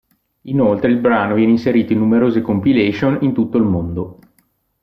Inoltre il brano viene inserito in numerose compilation in tutto il mondo.